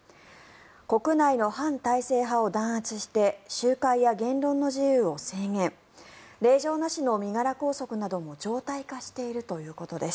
国内の反体制派を弾圧して集会や言論の自由を制限令状なしの身柄拘束なども常態化しているということです。